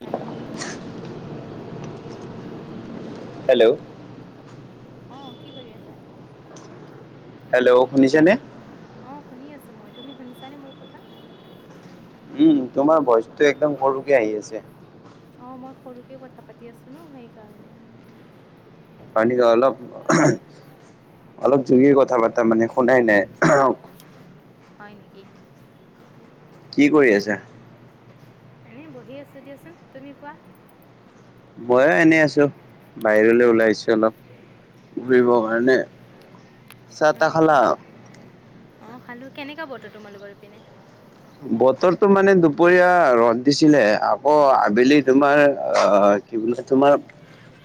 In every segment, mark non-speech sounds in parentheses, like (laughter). Hello hello hello অ কি কৰি আছা? হেল্ল' শুনিছেনে? অ শুনি আছো মই তুমি শুনিছানে মোৰ কথা? উম তোমাৰ ভইচটো একদম সৰুকে আহি আছে। অঁ মই সৰুকেই কথা পাতি আছোঁ ন সেইকাৰণে। পাৰি ন অলপ, অলপ জোৰকে কথা পাতা মানে শুনাই নাই। হয় নেকি? কি কৰি আছা? এনেই বহি আছোঁ দিয়াচোন, তুমি কোৱা। মইয়ো এনেই আছো বাহিৰলৈ হয় ওলাই নেকি আহিছো অলপ। ঘূৰিবৰ কাৰণে, চাহ হয় তাহ নেকি খালা? অঁ খালো, কেনেকা বতৰ তোমালোকৰ ইপিনে? বতৰটো মানে দুপৰীয়া ৰ'দ দিছিলে, আকৌ আবেলি তোমাৰ অঁ কি বোলে তোমাৰ (inaudible)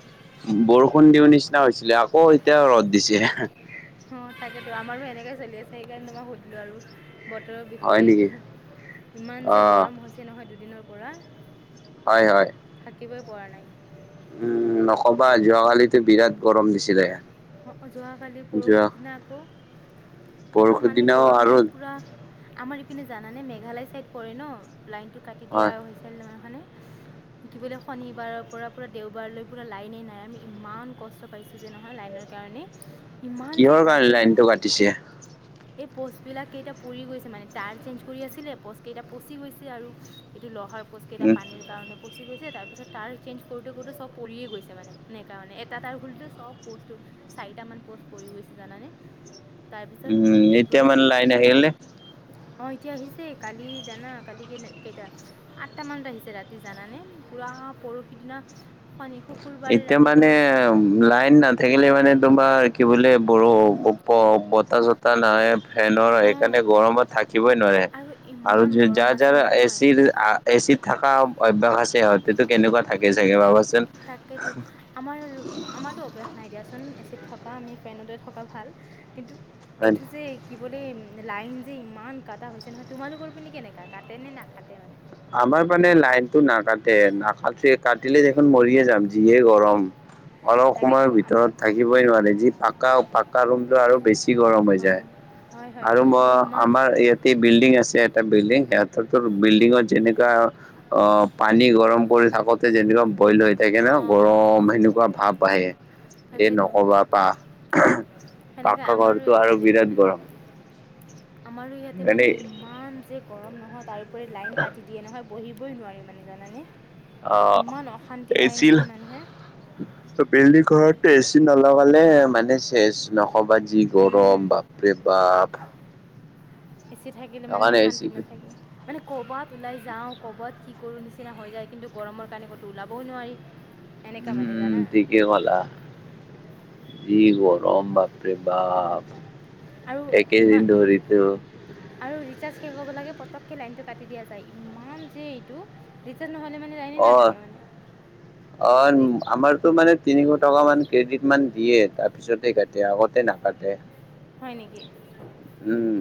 বৰষুণ দিওঁ নিচিনা হৈছিলে, আকৌ এতিয়া ৰ'দ দিছে। অঁ, তাকেতো আমাৰো এনেকে চলি আছে, সেইকাৰণে মই সুধিলো আৰু। বতৰৰ হয় নেকি বিষয়ে, ইমান অ যে গৰম হৈছে নহয় দুদিনৰ পৰা। হয় হয়। থাকিবই পৰা নাই। উম নকবা, যোৱাকালিটো বিৰাট গৰম দিছিলে। যোৱাকালি যোৱা পৰহিদিনা আকৌ পূৰা বৰষুৰ মানে দিনাও আৰু গৰমত পূৰা আমাৰ ইপিনে জানানে মেঘালয় চাইড পৰে ন, লাইনটো কাটি দিয়া হয় হৈছিল নহয় হয়নে? কি বোলে শনিবাৰৰ পৰা পূৰা দেওবাৰলৈ পূৰা লাইনে নাই আমি ইমান কষ্ট পাইছোঁ যে নহয় লাইনৰ। কাৰণে, ইমান যে কিহৰ কাৰণে কাতে লাইনটো নহয়। কাটিছে এই প'ষ্টবিলাক কেইটা পৰি গৈছে মানে তাৰ চেঞ্জ কৰি আছিলে প'ষ্ট কেইটা পচি গৈছে আৰু। এইটো লহাৰ প'ষ্ট কেইটা উম পানীৰ কাৰণে পচি গৈছে তাৰপিছত তাৰ চেইঞ্জ কৰোঁতে কৰোঁতে চব পৰিয়ে গৈছে, মানে নে কাৰণে এটা তাৰ খোলোঁতে চব প'ষ্ট চাৰিটামান প'ষ্ট পৰি গৈছে জানানে, তাৰপিছত উম কি এতিয়া বোলে মানে লাইন আহিলে অঁ, এতিয়া আহিছে কালি জানা কালি কেই কেইটা আঠটামান বাজিছে ৰাতি জানানে, পোৰা পৰহি দিনা শনি শুকুৰ এতিয়া মানে লাইন নাথাকিলে মানে তোমাৰ কি বোলে বৰ ব বতাহ চতাহ নাই ফেনৰ অঁ সেইকাৰণে গৰমত থাকিবই নোৱাৰে। আৰু আৰু ইমান গৰম যাৰ আছিল যাৰ এ নহয় চি আ এ চিত থকা অভ্যাস আছে সিহঁতেতো কেনেকুৱা থাকে চাগে ভাবাচোন। তাকেতো, আমাৰ আমাৰতো অভ্যাস নাই দিয়াচোন এ চিত থকা আমি ফেনতে থকা ভাল, কিন্তু হয় এইটো যে কি বোলে লাইন যে ইমান কাটা হৈছে নহয়, তোমালোকৰ পিনে কেনেকুৱা কাটেনে নাকাতে মানে? আমাৰ মানে লাইনটো নাকাটে, নাকাটে কাটিলে দেখোন মৰিয়ে যাম যিহে গৰম। অলপ তাকেতো সময়ৰ আমাৰ ভিতৰত থাকিবই নোৱাৰে, যি পাকা পাকা ৰুমটো আৰু বেছি গৰম হৈ অঁ যায়। হয় হয় আৰু ম ইমান আমাৰ ইয়াতে বিল্ডিং আছে এটা বিল্ডিং, সিহঁতো অঁ বিল্ডিঙত যেনেকা অঁ পানী গৰম কৰি থাকোতে যেনেকুৱা বইল হয়। অঁ সেইকাৰণে অঁ অঁ অঁ গৰম অঁ সেনেকুৱা ভাৱ আহে। এ তাকেতো নকবা পা সেনেকৈ পাকা আমাৰো ঘৰটো ইয়াতে আৰু এনেকৈ বিৰাট মানে গৰম। আমাৰো ইয়াতে মানে ইমান যে গৰম নহয়, তাৰ উপৰি লাইন কাটি দিয়ে নহয়। বহিবই নোৱাৰি মানে জানানে, অ ইমান অশান্তি পায় এচিল নহয় মানুহে। ত, বিল্ডিং ঘৰত এচি নলগালে মানে চেচ নক'বা যি গৰম, বা ৰে বাপ। এচি থাকিলে মানেহে সেইকাৰণে এচি শান্তিত মতে থাকে। মানে ক'ৰবাত ওলাই যাওঁ ক'ৰবাত কি কৰোঁ নিচিনা হৈ যায়, কিন্তু গৰমৰ কাৰণে ক'তো ওলাবয়ো নোৱাৰি। এনেকা মানে উম, জানা। ঠিকে কলা যি গৰম গৰম বাপৰে বাপ আৰু ইমান এইকেইদিন ধৰিতো আৰু ৰিচাৰ্জ শেষ হ'ব লাগে পটককৈ লাইনটো কাটি দিয়া যায় ইমান যে এইটো ৰিৰ্চাজ নহ'লে মানে লাইনেই অ' নাথাকে মানে। অ আমাৰতো মানে তিনিশ টকা মান কেইদিনমান দিয়ে তাৰপিছতে কাটে আগতে নাকাটে। হয় নেকি উম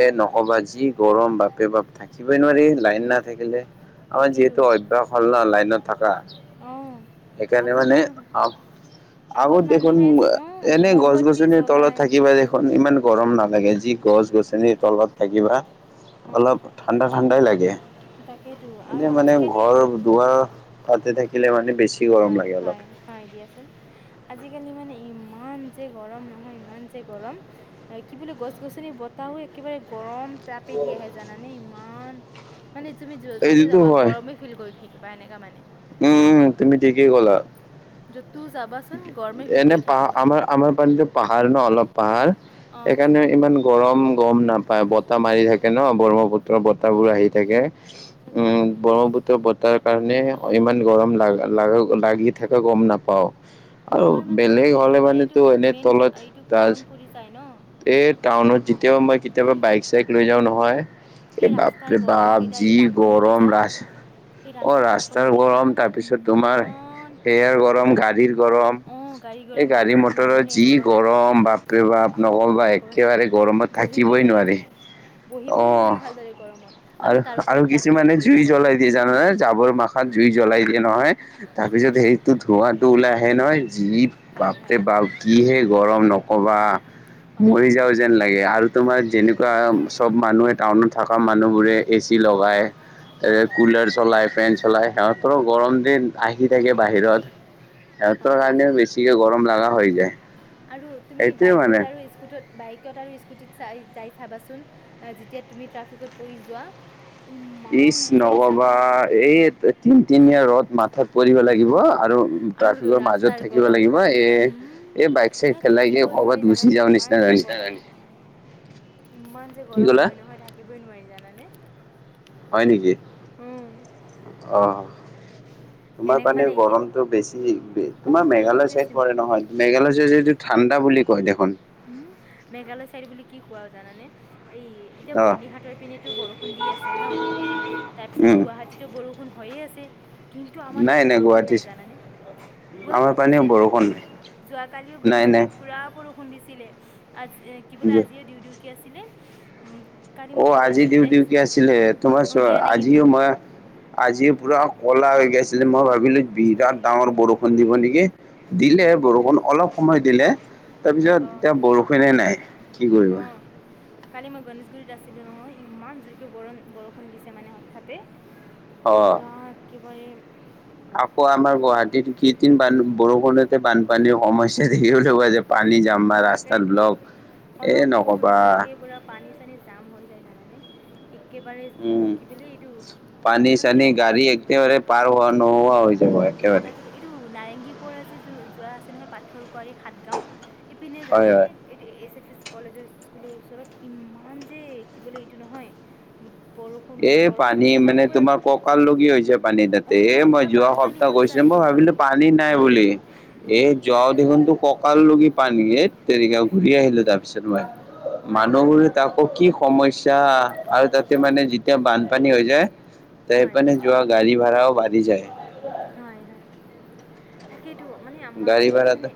এ নক'বা যি গৰম বাপৰে বাপ থাকিবই নোৱাৰি লাইন নাথাকিলে। আমাৰ তাকেইতো যিহেতু অভ্যাস হ'ল ন লাইনত থকা অঁ সেইকাৰণে আগৰ মানে মানুহ আগত দেখোন মানুহে অঁ এনেই গছ মমবতি গছনিৰ তলত জ্বলাই থাকিব দেখোন। খন ইমান গৰম নালাগে যি গছ গছনিৰ তলত থাকিবা অঁ অলপ ঠাণ্ডা ঠাণ্ডাই লাগে তাকেতো আৰু এনে মানে আজিকালি ঘৰ দুৱাৰ তাতে থাকিলে মানে বেছি। গৰম হয় লাগে অলপ হয় হয় দিয়াচোন। আজিকালি মানে ইমান যে গৰম নহয় ইমান যে গৰম কি বুলি গছ গছনি বতাহো একেবাৰে গৰম তাপে দি আহে জানানে ইমান মানে তুমি য'তে এইটোতো যাবা হয় গৰমে ফিল কৰি থাকিবা এনেকুৱা মানে। উম উ তুমি ঠিকেই কলা য'তো যাবা এনে পাহাৰ আমাৰ আমাৰ ফালে পাহাৰ ন অলপ পাহাৰ অঁ সেইকাৰণে ইমান গৰম গম নাপায় বতাহ মাৰি থাকে ন ব্ৰহ্মপুত্ৰৰ বতাহবোৰ আহি থাকে। তাকেইতো উম ব্ৰহ্মপুত্ৰ ত' বতাৰ কাৰণে ইমান গৰম ল ল লাগি থাকা গম নাপাওঁ। আৰু আমাৰ মানে বেলেগ ইপিনে হ'লে একেবাৰে এইটো মানেতো এনে মেইন তলত এইটো গাছ টাউন পৰি যায় ন এই টাউনত যেতিয়াও মই কেতিয়াবা এই ক বাইক চাইক লৈ যাও নহয়। এই ৰাস্তাৰ বাপে গৰমকেইটা এই বাপজি গৰম তাপনিকেইটা ৰাস, এই অ ৰাস্তাৰ তাপনিকেইটা গৰম, জানানা তাৰপিছত তোমাৰ ইমান হয়াৰ গৰম গাড়ীৰ গৰম অঁ এই গৰম গাড়ী মানুহৰ মটৰৰত মানুহে যি গৰম বা বাপ ৰে বাব নকবা একেবাৰে গৰমত বহিবই থাকিবই নোৱাৰি মানে অ, বহিবই নোৱাৰি ভালদৰে গৰমত আৰু তাৰ আৰু ওপৰত ট্ৰাফিকত কিছুমানে পৰি জুই যাব লাগে জ্বলাই দিয়ে জানো ন। জাবৰ মাখাত জুই জ্বলাই দিয়ে নহয়। শুনা তাৰপিছত না সেৰিতটো ধোঁৱটো ওলাই আহে নহয়, জি বাপ হয় ৰে হয় বাপ কিহে গৰম নকবা হয় মৰি হয় যাও যেন লাগে আৰু তোমাৰ যেনেকুৱা চব মানুহে টাউনত থকা মানুহবোৰে এ চি হয় লগাই। এ হয় হয় কুলাৰ চলাই, ফেন চলাই, সিহঁতৰো হয় গৰম দিন আহি থাকে বাহিৰত। হয় সিহতৰ দিয়াচোন কাৰণেও বেছিকে গৰম লগা হৈ যায় আৰু তুমি সেইটোৱে মানে। বাইকত আৰু স্কো স্কুটত বাইকত আৰু স্কুটিত চাই যাই চাবাচোন। যেতিয়া তুমি ট্ৰাফিকত পৰি যোৱা, ইমান ইছ যে জ্বালা নববা পৰে এইত তিন তিনীয়া ৰ'দ মাথাত পৰিব লাগিব আৰু আৰু ট্ৰাফিকৰ মাজত ৰাস্তাৰ থাকিব গৰম লাগিব এ এই বাইক চাইক মানে পেলাই কি থাকিবই নোৱাৰি কৰবাত গুচি জানানে যাওঁ ইমান নিচিনা যে কাৰণে, গৰম ইমান যে গৰম ক'লা হয় নহয় থাকিবই নোৱাৰি জানানে। হয় নেকি উম। অ'। তোমাৰ সেনেকৈ কাৰনে মানে এতিয়া গৰমতটো বেছি। অঁ তোমাৰ বহুত মেঘালয় চাইড বেছি পৰে নহয় মেঘালয় চাইদেটো ঠাণ্ডা বুলি কয় দেখোন। উম, মেঘালয় চাইড বুলি কি কোৱা জানানে? এই এতিয়া অ বৰ্ণিহাটৰ পিনেতো বৰষুণ দি আছে ন? তাৰপিছত উম গুৱাহাটীত বৰষুণ হৈয়ে আছে, কিন্তু আমাৰ নাই তাতে বৰষুণ গুৱাহাটী নাই জানানে। আমাৰ গুৱাহাটীটো পানে হৈছিল টো, বৰষুণ যোৱাকালিও নাই নাই গণেশগুৰিত পুৰা বৰষুণ দিছিলে, আজি কি বোলে, নাই, আজিয়ে দিওঁ দিওঁ কে আছিলে কালি অ', মই আজি গণেশগুৰিত দিওঁ দিওঁ কে আহিছোঁ আছিলে। তোমাৰ অঁ দিয়া নাই কিন্তু আজিও মই আজি পুৰা ক'লা হৈ গৈছিলে। মই ভাবিলোঁ বিৰাট ডাঙৰ বৰষুণ দিব নেকি? দিলে উম, বৰষুণ অলপ সময় দিলে। তাৰপিছত অঁ এতিয়া বৰষুনে নাই কি কৰিবা। অঁ কালি মই গণেশগুৰিত আছিলোঁ নহয়, ইমান জোৰকৈ বৰ বৰষুণ দিছে মানে হঠাতে। অ' পুৰা একেবাৰে আকৌ আমাৰ গুৱাহাটীত কেইদিন বান বৰষুণতে বানপানীৰ সমস্যা দেখিবলৈ পোৱা যাব। অ' তাকেইতো, এ অলপ বৰষুণ নক'বা দিব লাগে, পুৰা পানী জাম হৈ যায় জানানে? একেবাৰে উম, কি বোলে এইটো পানী আৰু চানী গাড়ী এইটো, একেবাৰে পাৰ হোৱা নোহোৱা হৈ যাব একে তাকেতো এইটো নাৰেংগীৰ পৰা যে যোৱা আছে নহয় পাথৰ কুঁৱাৰী সাতগাঁও, ইপিনে হয় জানানে হয়। এইটো এছ, এছ, কলেজৰ স্কুলৰ ওচৰত ইমান যে কি বোলে এইটো নহয়। উম, বৰষুণ এ বৰষুণ পানী দিলে মানে পূৰা তোমাৰ ককাল ডুব লগি হৈছে পানী। তাতে অঁ এ মই পূৰা যোৱা বানপানী সপ্তাহ হৈ গৈছো যায় মই ভাবিলো পানী নাই বুলি। এ যাওঁ দেখোন তো ককাল লি পানী ধেদ তেৰিকা ঘূৰি আহিলোঁ তাৰ পিছত মই, হয় হয় মানুহবোৰে আকৌ কি সমস্যা, আৰু তাতে মানে যেতিয়া বানপানী হৈ যায় তেইপ হয় নে যোৱা গাড়ী ভাড়া বাঢ়ি যায়। হয়, হয়। তাকেইতো মানে আমাৰ গাড়ী কি ভাড়াটো মানে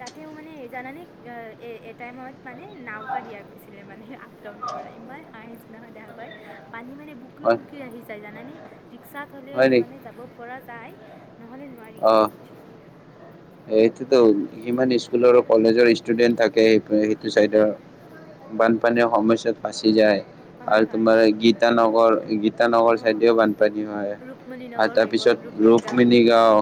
তাতেও মানে জানানে, এ, ‌এটাইমত মানে নাওকা দিয়া গৈছিলে মানে। একদম কৰা। ইমান হাঁহিছে নহয় দেখা পাই, পানী মানে বুকুৱ হয় বুকু আহি যায় জানানে। ৰিক্সাত হ'লে হয় নেকি মানে যাব পৰা যায়, নহ'লে নোৱাৰি অ এইটোতো সিমান স্কুলৰ কলেজৰ ষ্টুডেণ্ট থাকে সেই সেইটো চাইডৰ। বানপানী সমস্যা ফাচি যায়। হয় আৰু হয় তোমাৰ হয় গীতানগৰ, গীতানগৰ অঁ চাইডেও বানপানী হয়, ৰুক্মণি আৰু নগৰ তাৰ হৈ গ'ল পিছত ৰুক্মণি গাঁও ৰুক্মিণী গাওঁ,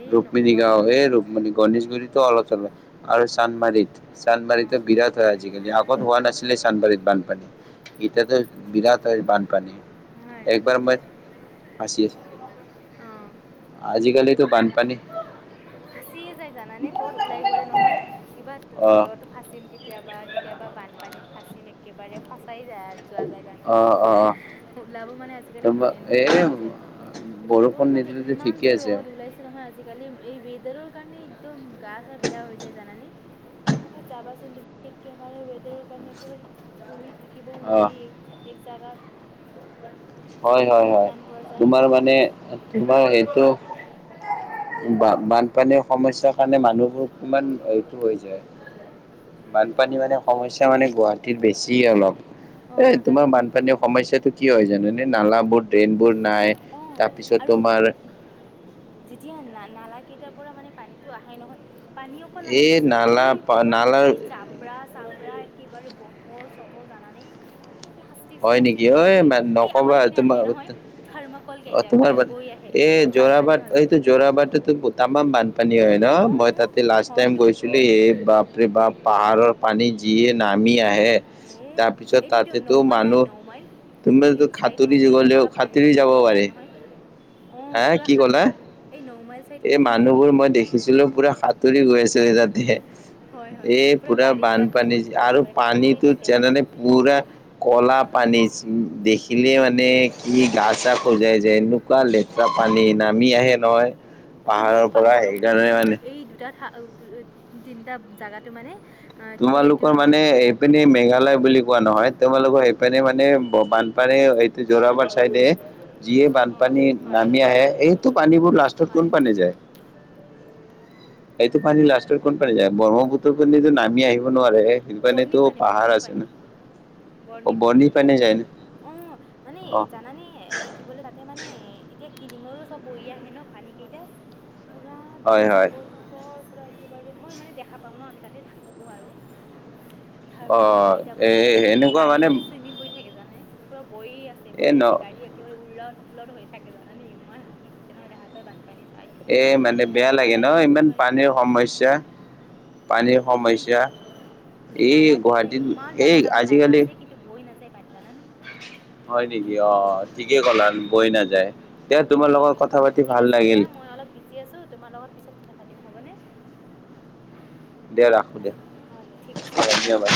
এই ৰুক্মিণী নক'বা গাওঁ, বুঢ়াব এই ৰ মানে গণেশগুৰিতো অলপ চলপ, আৰু চান্দমাৰীত। চান্দমাৰীটো অঁ বিৰাট হয় আজিকালি, আগত হোৱা নাছিলে চান্দমাৰীত বানপানী। এতিয়াটো বিৰাট হয় বানপানী। হয় একবাৰ মই ফাছি অঁ আছিলোঁ। আজিকালিটো বানপানী ফাচিয়ে যায় জানানে, ক'বাত ওলাই গ'লে নহয় কিবা অ' ৰ'দত ফাঁচিম কেতিয়াবা, কেতিয়াবা বানপানীত ফাঁচিম একেবাৰে ফাচাই যায় যোৱা যায় জানানে, অ' অ' ওলাব মানে আজিকালি তোমাৰ মনে এই নোযোৱা হৈ গৈছে। ৰ'দৰ বৰষুণ কাৰণে, নিদিলেতো ইমান ঠিকে যে আছে ৰ'দ উলাইছে। নহয় আজিকালি, এই ৱেডাৰৰ কাৰণে একদম গা চা বেয়া হৈ যায় জানানে। ত যাবাচোন তুমি একেবাৰে ৱেডাৰৰ কাৰণে, একেবাৰে বহি থাকিবও অ' নোৱাৰি তে এক জাগাত হয় হয় হয়, পোৱা যায় তোমাৰ মানে, তোমাৰ এইটো বা-বানপানীৰ সমস্যাৰ কাৰণে মানুহবোৰ কিমান এইটো হৈ যায়। বানপানী মানে সমস্যা মানে গুৱাহাটীত বেছি অলপ। এ, অঁ তোমাৰ তাকেতো বানপানী সমস্যাটো কি হয় জানা নে না নালাবোৰ, ড্ৰেইনবোৰ নাই অঁ তাৰপিছত আৰু তোমাৰ যেতিয়া না-নালা কেইটাৰ পৰা মানে পানীটো আহে নহয় পানী অকন আহে এই দিয়াচোন, নালা এই কোলা নালাৰ গোটেই জাপ প্ৰা, চাব্ৰা একেবাৰে বটল চটল জানানে? প্লাষ্টিক হয় চালষ্টিক নেকি ঐ বৈ আহ, এই আমাৰ নকবা ইপিনে আহে তোমাৰ নহয় থাৰ্মাকল অ কেইটা তোমাৰ বাদ বৈ আহে। এই বানপানী যোৰাবাট হ'লে এইটো যোৰাবাটটো তামাম বান পানী হয় ন' মই অঁ তাতে লাষ্ট টাইম হয়তো গৈছিলোঁ এই বাপৰে বাপ পাহাৰৰ পানী যিয়ে নামি আহে। এ, তাৰপিছত এইটো এইটো ন তাতেতো নমাইল নাই, মানুহ নমাইল, তুমিতো কিলিং চাইড সাঁতুৰি নমাইলৰ গলেও পৰা পানী সাঁতুৰি খুলি যাব দিয়া যায় পাৰে নহয়। হা অ' পোৰা কি সাত, ক'লা এই নমাইল চাইড কিলিং নাই নেকি? ছিলো পুৰা সাঁতুৰি গৈ আছোঁ এ, তাতে। হয় হয় এই পূৰা পুৰা গাড়ীবিলাকো বানপানী বৈ থাকে আৰু একেবাৰে সাঁতুৰি পানীটো থাকে জানানে মানে পুৰা ক'লা পানী, দেখিলে মানে ই গা হয় চা খজাই যায়, এনেকুৱা লে পুৰা পানী, নামি আহে নহয় তুমি পাহাৰৰ পা পৰা বৰষুণ দিলে সেইকাৰণে মানে। নহয় এই দুটা ঠা, তিনিটা জাগাটো মানে আহ, কি বোলে এইটো তোমালোকৰ মানে নহয় এ এইপিনে মেঘালয় বুলি কোৱা নহয়, তোমালোকৰ সেইপিনে মানে বানপানী, এইটো যোৰাবাট চাইডে যিয়ে অঁ অঁ বানপানী হয় নামি আহে এইটো পানীবোৰ লাষ্টত হয় কোন হয় ফালে যায়? এইটো পানী লাষ্টৰ কোনফালে যায়, ব্ৰহ্মপুত্ৰৰ পিনেটো নামি আহিব নোৱাৰে, সেইপিনেতো পাহাৰ আছে ন'। অ বৰ্নি পিনে। বনি পানী যায় ন অ', মানে অ জানানে এ কি বোলে তাতে মানে এতিয়া কিলিঙৰো চব বৈ আহে ন' পানীকেইটা? পূৰা একদম হয় হয় জাবৰ জো থৰ পোৰা একেবাৰে, মই মানে দেখা পাওঁ ন' আমি তাতে থাকোঁ আৰু। অ থাৰ্মকল কেইটা এ বৈ আহে। এনেকুৱা গাড়ী মানে চুইমিং কৰি থাকে জানেনে, পুৰা বৈয়ে আছে, এ বৈয়ে ন আছে গাড়ী একে উলট পোলট হৈ থাকে জানানে, ইমান হাঁহি উঠে নহয় তেহাতক বান পানী চাই। এ কি কৰিম মানে বেয়া এতিয়া লাগে ন উলাই আহিবও ইমান নোৱাৰি। পানীৰ সমস্যা উ, পানীৰ কি কৰিম সমস্যা এতে, এই নালা কেইটা, গুৱাহাটীত ইমান এই ডাঙৰ ডাঙৰ নালা আজিকালি আছে। কিন্তু বৈ নাযায় পানী জানানে? হয় নেকি, অ', ঠিকেই ক'লা বৈ নাযায়। তে তোমাৰ লগত কথা পাতি ভাল লাগিল। তি আছোঁ, তোমাৰ লগত পিছত কথা পাতিম হ'বনে? দিয়া ৰাখো দিয়া হেল্ল', অ' ঠিক আছে দিয়া, থেংক ধন্যবাদ ইউ।